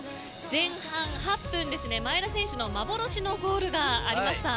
前半８分ですね前田選手の幻のゴールがありました。